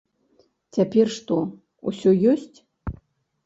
Цяпер што, усё ёсць?!